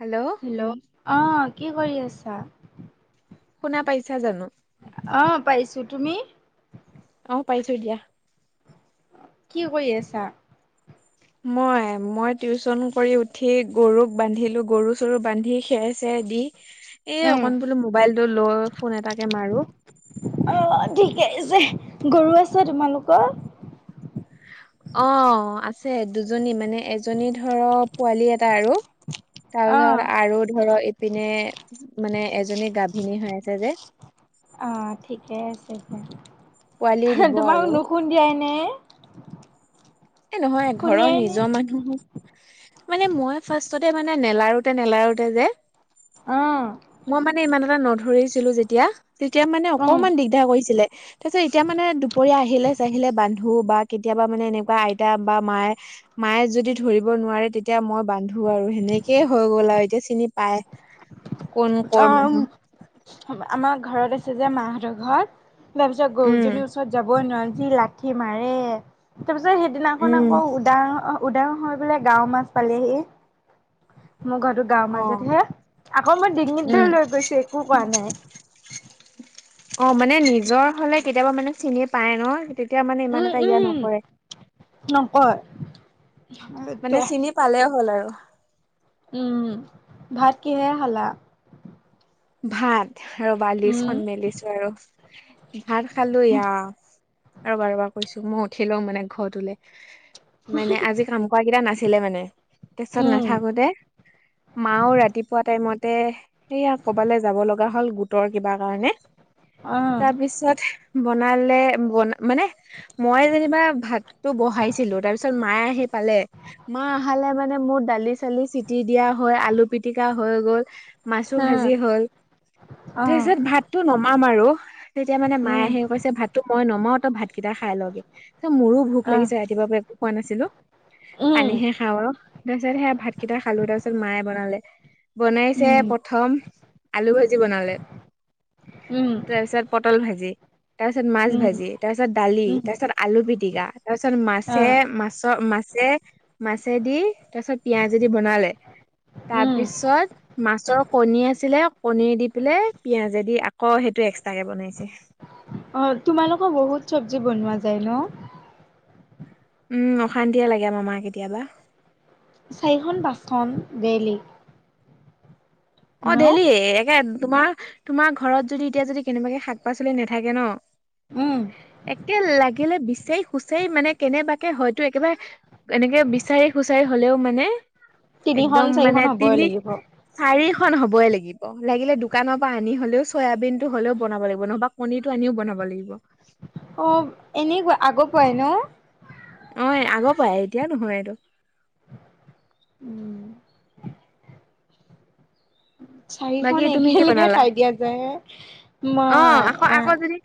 Hello hello, অ', কি কৰি আছা? শুনা পাইছা জানোঁ? অ', পাইছোঁ। তুমি? অ', পাইছোঁ দিয়া। কি কৰি আছা? মই? মই টিউচন কৰি উঠি, গৰুক বান্ধিলোঁ। গৰু-চৰু বান্ধি খেৰ-চেৰ দি - এই উম অকন বোলোঁ ম'বাইলটো লৌ ফোন এটাকে মাৰোঁ। অ', ঠিকে আছে। গৰু আছে তোমালোকৰ? অ', আছে দুজনী। মানে এজনী ধৰা, পোৱালী এটা আৰু। অ তাৰপিছত আৰু ধৰো, ইপিনে মানে এজনী গাভিনী হৈ আছে যে। অ', ঠিকে আছে পোৱালি দিয়া। দিব আৰু। তোমালোক নুখ- [unintelligible] এ নহয় ঘৰৰ নিজৰ মানুহো মানে মই ফাৰ্ষ্টতে মানে নেলাৰোতে নেলাৰোতে যে উম মই মানে ইমান এটা নধৰিছিলো যেতিয়া তেতিয়া মানে উম অকমান দিগ দাৰ কৰিছিলে তাৰপিছত এতিয়া মানে দুপৰীয়া আহিলে চাহিলে বান্ধু বা কেতিয়াবা মানে এনেকুৱাই [unintelligible] বা মায়ে মায়ে যদি ধৰিব নোৱাৰে তেতিয়া মই বান্ধো আৰু সেনেকেই হৈ গ'ল আৰু এতিয়া চিনি পায়। কোন কৰ অ মানুহ আমাৰ ঘৰত আছে যে মাহঁতৰ ঘৰত। তাৰপিছত উম গৰুজনীৰ ওচৰত যাবই নোৱাৰোঁ যি লাঠি মাৰে তাৰপিছত সেই সিদিনাখন উম আকৌ উদা উদাং হৈ পেলাই গাঁও মাছ পালেহি মোৰ ঘৰটো গাঁৱৰ অ মাজত হে আকৌ মই ডিঙিত উম ধৰি লৈ গৈছো একো কোৱা নাই। অ মানে নিজৰ হ'লে কেতিয়াবা মানে চিনি পায় ন তেতিয়া মানে ইমান উম এটা ইয়া উম নকৰে। নকয়। মানে সেইটোৱে চিনি পালে হ'ল আৰু উম ভাত কিহেৰে খালা। ভাত ৰ'বা উম লিচখন মেলিছো আৰু ভাত খালো এয়া ৰ'বা ৰ'বা কৈছো মই উঠি লওঁ মানে ঘৰতোলে। মানে আজি কাম কৰা কেইটা নাছিলে মানে তাৰচত উম নাথাকোতে, মাওঁ ৰাতিপুৱা টাইমতে সেইয়া ক'বালে যাব লগা হ'ল গোটৰ কিবা কাৰণে অহ তাৰপিছত বনালে বন মানে মই যেনিবা ভাতটো বহাইছিলো তাৰ পিছত মায়ে আহি পালে। মা আহালে মানে মোৰ দালি চালি চিটি দিয়া হৈ আলু পিতিকা হৈ গ'ল। মাছো ভাজ যি উম হ'ল অহ তাৰপিছত ভাতটো নমাম আৰু তেতিয়া মানে মায়ে উম আহি কৈছে ভাত টো মই নমাও তই ভাতকেইটা খাই লগে ত মোৰো ভোক অহ লাগিছে ৰাতিপুৱা পৰা একো খোৱা নাছিলো। উম পানীহে খাওঁ আৰু তাৰ পিছত সেয়া ভাত কেইটা খালো তাৰপিছত মায়ে বনালে। বনাইছে উম প্ৰথম আলু ভাজি বনালে। উম। তাৰ পিছত পটল ভাজি তাৰ পিছত মাছ উম ভাজি তাৰ পিছত দালি উম তাৰ পিছত আলু পিটিকা। তাৰপিছত মাছে অহ মাছৰ মাছে। মাছেদি তাৰ পিছত পিয়াঁজদি বনালে তাৰ উম পিছত। মাছৰ কণী আছিলে কণী দি পেলাই পিয়াঁজে দি আকৌ সেইটো এক্সট্ৰাকে বনাইছে। অ তোমালোকৰ বহুত শৱজী বনোৱা যায় ন। উম অশান্তিয়ে লাগে আমাৰ মা কেতিয়া বা। চাৰিখন পাঁচখন ডেলী। অ ডেইলি একে তোমাৰ তোমাৰ ঘৰত যদি এতিয়া যদি কেনেবাকে শাক পাচলি নাথাকে ন। উম একে লাগিলে বিচাৰি খুচাৰি মানে কেনেবাকে হয়তো একেবাৰে, এনেকে বিচাৰি খুচাৰি হলেও মানে তিনিখন একদম চাৰিখন মানে হ'বই তিনি, লাগিব চাৰিখন হবই লাগিব লাগিলে দোকানৰ পৰা আনি হলেও চয়াবিন টো হলেও বনাব লাগিব নহবা। পনিৰ টো আনিও বনাব লাগিব। অ এনে ক আগৰ পোৱাই ন। অ আগৰ পৰা আহ এতিয়াও নহয় এইটো। উম চাৰিখন বাকী তুমি কি একেলগে বনালা খাই দিয়া যায় হে অ মই আকৌ আকৌ যদি।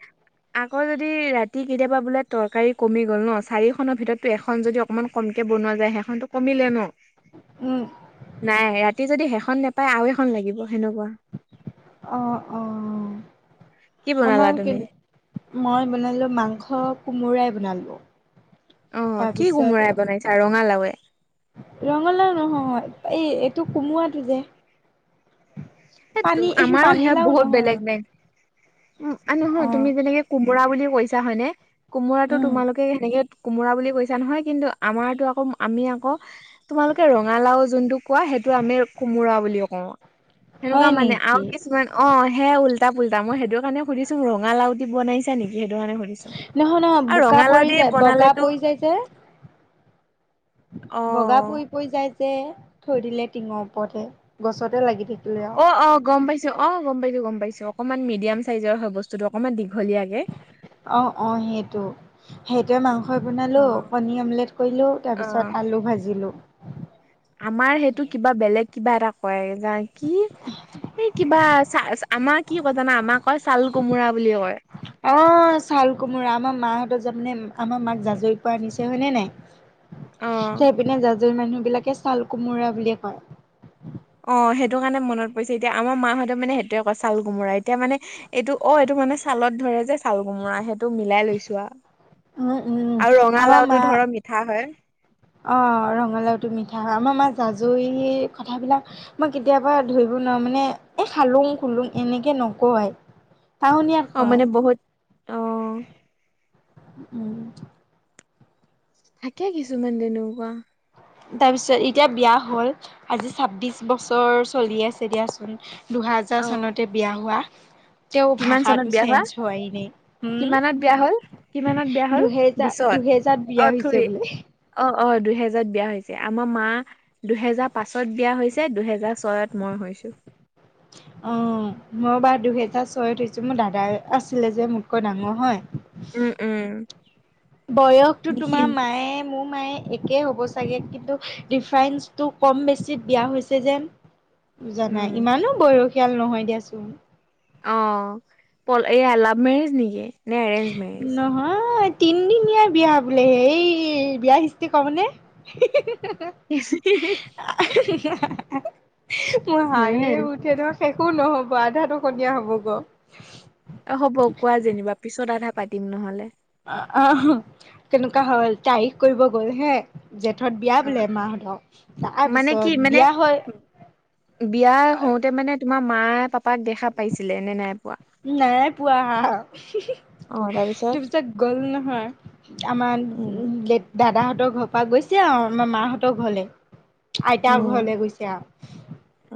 আকৌ যদি ৰাতি কেতিয়াবা বোলে তৰকাৰী কমি গ'ল ন' চাৰিখনৰ ভিতৰততো এখন যদি অকণমান- কমকে বনোৱা যায় সেইখনতো কমিলে ন'। উমঁ। নাই, ৰাতি যদি সেইখন নেপায় আৰু এখন লাগিব সেনেকুৱা। অঁ' অঁ'। কি বনালা আমাৰ কি, তুমি মই বনালোঁ মাংস কোমোৰাই বনালোঁ। অঁ' কি কোমোৰাই বনাইছা ৰঙালাওয়ে। ৰঙালাও নহয় এই এইটো কোমোৰাটো যে। পানী আমাৰো সেয়া পানীলাও বহুত নহয় বেলেগ বেংক। উমঁ' আৰু অ নহয়, তুমি যেনেকে কোমোৰা বুলি কৈছা হয়নে কোমোৰাটো উম তোমালো কে সেনেকে কোমোৰা বুলি কৈছা নহয় কিন্তু আমাৰতো আকৌ আমি আকৌ- তোমালোকে ৰঙালাও যোনটো কোৱা সেইটো আমি কোমোৰা বুলিয়ে কওঁ। হয় সেনেকুৱা মানে নেকি আৰু কিছুমান- অঁ' সেয়া উল্টা পুলটা, মই সেইটো কাৰণে সুধিছোঁ ৰঙালাও দি বনাইছা নেকি সেইটো কাৰণে সুধিছোঁ। নহয় নহয় আৰু বোকা ৰঙালাও পৰি দি যায় বগা বনালেতো- পৰি যায় যে অ বগা পৰি পৰি যায় যে থৈ দিলে টিঙৰ ওপৰতহে গছতে লাগি থা অঁ' অঁ' গম পাইছোঁ, অঁ' গম পাইছোঁ, গম পাইছোঁ, অকমান মিডিয়াম চাইজৰ হয় বস্তুটো অকনমান দীঘলীয়াকে। অঁ' অঁ' সেইটো। সেইটোৱে মাংসয়ে বনালোঁ, অ পনীৰ অমলেট কৰিলোঁ অ তাৰপিছত আলু ভাজিলোঁ। আমাৰ সেইটো কিবা বেলেগ কিবা এটা কয় কি এই কিবা- চা, আমাক কি কয় জানা, আমাক কয় ছাল কোমোৰা বুলিয়ে কয়। অঁ' ছাল কোমোৰা, আমাৰ মাহঁত যামে আমাৰ মাক জাজৰি পৰা আনিছে হয়নে নাই। অ ত' সেইপিনে জাজৰি মানুহ বিলাকে ছাল কোমোৰা বুলিয়ে কয়। অঁ' সেইটো কাৰণে মনত পৰিছে এতিয়া আমাৰ মাহতো সেইটোৱে কয় ছাল কোমোৰা। এতিয়া মানে- এইটো অঁ' এইটো মানে ছালত ধৰে যে ছাল কোমোৰা সেইটো মিলাই লৈছোঁ আও। উম, উম, আৰু ৰঙালাওটো ধৰ মিঠা হয়। অঁ' ৰঙালাওটো মিঠা হয়। আমাৰ মাৰ জাজৰি কথাবিলাক- মই কেতিয়াবা ধৰিব নোৱাৰো মানে এ খালুং খুলুং এনেকে নকয়। টাওনীয়াত কয়। অঁ'। উমঁ। থাকে কিছুমান তেনেকুৱা। তাৰপিছত এতিয়া বিয়া হ'ল আজি ছাব্বিছ বছৰ চলি আছে দিয়াচোন। দুহেজাৰ অ চনতে বিয়া হোৱা। তেওঁ কিমান চনত ভাষাটো বিয়া হোৱা চেঞ্জ হোৱাই নাই, কিমানত বিয়া হ'ল হুম, কিমানত বিয়া হ'ল দুহে দুহেজাৰত বিয়া হৈছে বোলে। অঁ' অঁ' দুহেজাৰত বিয়া হৈছে, আমাৰ মাঁ দুহেজাৰ পাঁচত বিয়া হৈছে দুহেজাৰ ছয়ত মই হৈছো। অঁ' মই বাৰু দুহেজাৰ ছয়ত হৈছো, মোৰ দাদা আছিলে যে মোতকৈ ডাঙৰ হয়। উমঁ' উমঁ'। বয়সতো তোমাৰ মায়ে মোৰ মায়ে- একেই হ'ব চাগে কিন্তু ডৰিফাৰেঞ্চটো কম বেছিত বিয়া হৈছে যে- বুজা নাই, উম। ইমানো বয়সীয়াল নহয় দিয়াচোন। অঁ' প এই লাভ মেৰেজ নেকি নে এৰেঞ্জ মেৰেজ? অঁ' তিনদিনীয়া বিয়া বোলে এই বিয়া হিষ্ট্ৰিকৰ মানে। [unintelligible] মোৰ হাহিয়ে উঠে নহয় শেষো নহব আধাটো কণীয়া হব গ। অঁ হ'ব কোৱা যেনিবা, পিছত আধা পাতিম নহ'লে। অ' আঁহ তেনেকুৱা হ'ল তাৰিখ কৰিব গৈ হে। জেঠত বিয়া উম বোলে মাহঁত, মানে কি তাৰপিছত মানে বিয়া হৈ- বিয়া হওঁতে মানে তোমাৰ মায়ে পাপাক দেখা পাইছিলে নে নাই পোৱা? নাই পোৱা হা। অ তাৰপিছত তাপিছত গ'ল নহয়, আমা উম লেট- দাদাহঁতৰ ঘৰ পৰা গৈছে আৰু আমাৰ মাহঁতৰ ঘৰলে। আইতাৰ উম ঘৰলে গৈছে আও,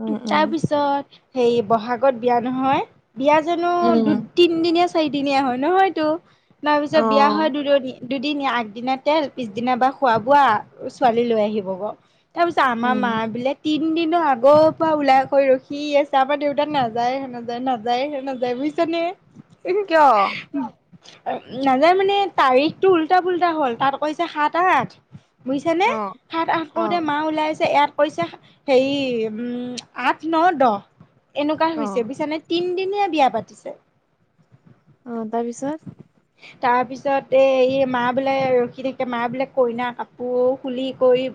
উম উম তাৰপিছত- সেই বহাগত বিয়া নহয়, বিয়া জেনো উম। দুট- তিনিদিনীয়া চাৰিদিনীয়া হয় নহয়তো, তাৰপিছত অ বিয়া হয় দুদনী- দুদিনীয়া, আগদিনা তেল পিছদিনা বা খোৱা বোৱা ছোৱালী লৈ আহিব গ। তাৰ পিছত আমাৰ উম। মাঁ বিলেক- তিনিদিনৰ আগৰ পৰা ওলাইকৈ ৰখি আছে, আমাৰ দেউতাক নাযায় হেনো জানা। যায় হে নাযায় বুজিছা নে। কিয়? নাযায় মানে তাৰিখটো উল্টা পুল্টা হ'ল, তাত কৈছে সাত আঠ- বুজিছা নে? অ সাত আঠ অ কৰোতে মাঁ ওলাই আছে এয়াত- কৈছে হেৰি উম আঠ ন' দহ' এনেকুৱা অ। হৈছে বুজিছানে? তিনদিনিয়া বিয়া পাতিছে। অঁ তাৰপিছত? তাৰ পিছত এই এই মা বোলে ৰখি থাকে মা বোলে কইনা কাপোৰ খুলি কৰি-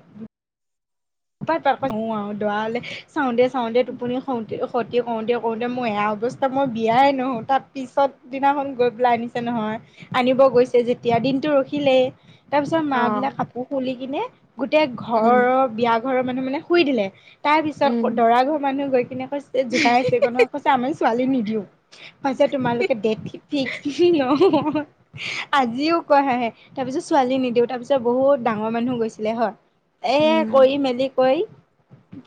তাপা তাৰপৰা অঁ আঁ দৰালে- চাওঁতে চাওঁতে টোপনি খঁতি খঁতি কৰোতে কৰোতে মই এয়া অৱস্থা মই বিয়াই নহওঁ, তাৰ পিছত- দিনাখন গৈ পেলাই আনিছে নহয় আনিব গৈছে যেতিয়া দিনটো ৰখিলেই। তাৰ পিছত মা বোলে অ কাপোৰ খুলি কিনে গোটেই উম ঘৰৰ বিয়া ঘৰৰ মানুহ মানে শুই দিলে। তাৰ উম পিছত দৰা ঘৰ মানুহ গৈ কিনে কৈছে জোকাই আছে ক নহ কৈছে আমি ছোৱালী নিদিওঁ। কৈছে তোমালোকে ডেট ফিক্স বুলি নহয়। আজিও কৈ হাঁহে তাৰ পিছত ছোৱালী নিদিওঁ, তাৰ পিছত বহুত ডাঙৰ মানুহ গৈছিলে হয়। এ উম কৰি মেলি কৈ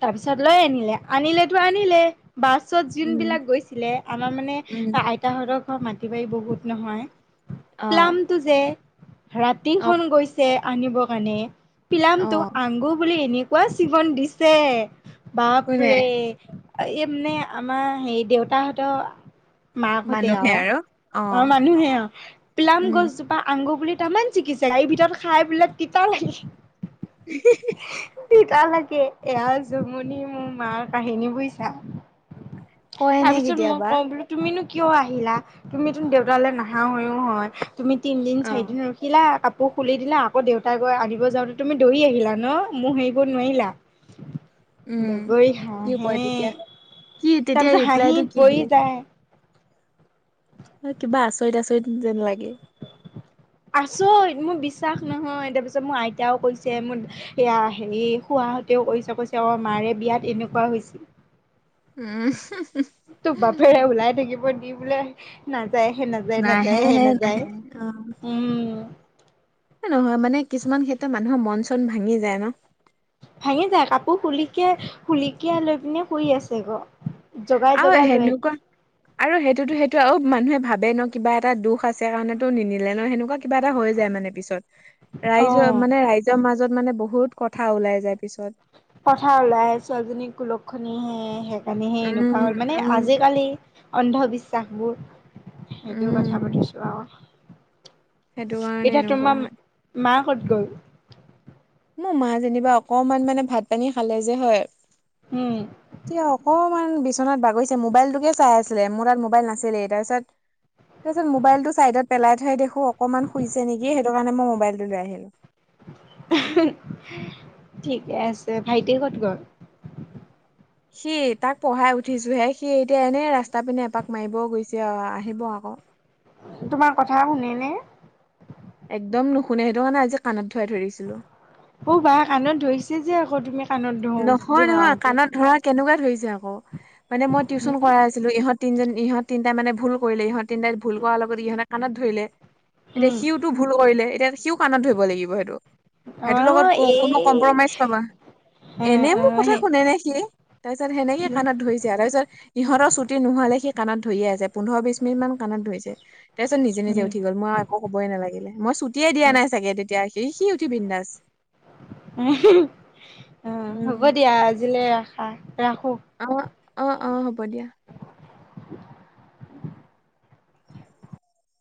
তাৰপিছত লৈ আনিলে, আনিলেতো আনিলে। বাছত যোন উম বিলাক গৈছিলে, আমাৰ মানে উম আই- তহঁতৰ ঘৰ মাটি বাৰী বহুত নহয়, অ প্লামটো যে- অ ৰাতিখন গৈছে আনিব কাৰণে, প্লামটো অ আংগুৰ বুলি এনে- কোৱা চীগন দিছে, কোনে বাপৰে। এই মানে আমাৰ হেৰি দেউতাহঁতৰ- মাকহঁতে মানুহে আৰু অ অঁ মানুহে অঁ প্লাম উম গছ জো- পা আঙগুৰ বুলি তামাম চিঙিছে, বাৰী ভিতৰত খাই বোলে তিতা লাগিল। হিঁ হিঁ। [unintelligible] তিতা লাগে, এয়া জমনি মোৰ মাৰ কাহিনী বুইচা। কয় তাৰ নে পিছত মই কেতিয়াবা কওঁ বোলো- তুমিনো কিয় আহিলা? তুমিতো দেউতালৈ নাহা হৈও হয়, তুমি তিনদিন অ চাৰিদিন- খিলা কাপোৰ খুলি দিলা আকৌ দেউতাই গৈ আনিব যাওঁতে তুমি দৌৰি আহিলা ন? মোহ এৰিব নোৱাৰিলা। উম দগৰি কি কয় হাঁহে তেতিয়া কি তেতিয়া তাৰপিছত ৰিপ্লাইটো হাঁহিত কি পৰি দিয়ে যায়। সেই কিবা আচৰিত আচৰিত যেন লাগে। আচৰিত মোৰ বিশ্বাস নহয় তাৰপিছত মোৰ আইতাও কৈছে মোৰ সেয়া সেই খুড়াহঁতেও কৰিছে কৈছে অ, মাৰে বিয়াত এনেকুৱা হৈছিল। উম হুম হুম তোৰ বাপেৰে ওলাই থাকিব দি বোলে নাযায় সে নাযায় নাযায় সে নাহেহে নাহে নাযায় অ উম। নহয় মানে কিছুমান ক্ষেত্ৰত মানুহৰ মন চন ভাঙি যায় ন ভাঙি যায় কাপোৰ খুলিকে খুলিকে লৈ পিনে শুই আছে ক। আৰু সেনেকুৱা আৰু সেইটোতো সেইটো আৰু মানুহে ভাবে ন কিবা এটা দুখ আছে কাৰণেতো নিনিলে ন সেনেকুৱা কিবা এটা হৈ যায় মানে পিছত ৰাইজৰ অ'। মানে ৰাইজৰ মাজত মানে বহুত কথা ওলাই যায় পিছত। কথাৰ ওলাই আছে ছোৱালী জনী কুলক্ষণি হে। এনেইহে এনেকুৱা উম, হ'ল মানে উম, আজিকালি অন্ধবিশ্বাসবোৰ সেইটো কথা উম, পাতিছো আও সেইটো কাৰণে এতিয়া এনেকুৱা তোমাৰ হয়। মা কত গল মোৰ মা যেনিবা অকমান মানে ভাত পানী খালে যে হয় উম। এতিয়া অকণমান বিচনাত বাগৰিছে মোবাইলটোকে চাই আছিলে মোৰ তাত মোবাইল নাছিলেই তাৰপিছত তাৰপিছত মোবাইলটো চাইডত পেলাই থৈ দেখো অকনমান শুইছে নেকি সেইটো কাৰণে মই মোবাইলটো লৈ আহিলো। উমহো ঠিকে আছে ভাইটি ক'ত গল সি তাক পঢ়াই উঠিছোহে সি এতিয়া এনেই ৰাস্তা পিনে এপাক মাৰিব গৈছে আও আহিব আকৌ। তোমাৰ কথা শুনে নে একদম নুশুনে সেইটো কাৰণে আজি কাণত ধৰাই থৈ দিছিলো। অ বা কাণত ধৰিছে যে আকৌ তুমি কাণত ধৰো নহয় নহয় ধৰাওতে কাণত ধৰাই কেনেকুৱা ধৰিছে আকৌ মানে মই টিউচন উম, কৰাই আছিলো ইহত তিনজনী ইহঁত তিনটাই মানে ভুল কৰিলে ইহঁত তিনটাই ভুল কৰাৰ লগত ইহঁতে কাণত ধৰিলে। এতিয়া উম। সিওটো ভুল কৰিলে এতিয়া সিও কাণত ধৰিব লাগিব সেইটো। সেইটোৰ লগত অ' কো এই কোনো কম্প্ৰমাইজ নহয়। অ', এনেই মোৰ অ' কথা সেই শুনে নে সি তাৰপিছত সেনেকে কাণত ধৰিছে আৰু তাৰপিছত ইহঁতৰ চুটি নোহোৱালে সি কাণত ধৰিয়ে আছে পোন্ধৰ বিচ মিনিট মান কাণত ধৰিছে। তাৰপিছত নিজে নিজে উম, উঠি গ'ল মই একো কবই নালাগিলে মই ছুটিয়ে দিয়া নাই চাগে তেতিয়া সি সি উঠি বিন্দাছ। উমহো হো অ হ'ব উম দিয়া আজিলে ৰাখা ৰাখো। অ, অ, অ হ'ব দিয়া। [unintelligible]